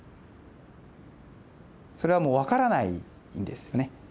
それはもうわからないんですね。